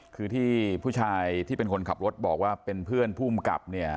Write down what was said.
คือที่ผู้ชายที่เป็นคนขับรถบอกว่าเป็นเพื่อนภูมิกับเนี่ย